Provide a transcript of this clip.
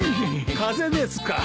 風邪ですか？